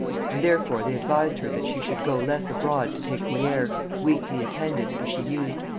And therefore they advised her that she should go less abroad to take the air, weakly attended, as she used.